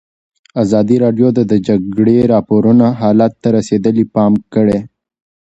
ازادي راډیو د د جګړې راپورونه حالت ته رسېدلي پام کړی.